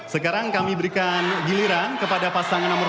sekarang kami berikan giliran kepada pasangan nomor dua